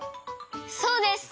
そうです！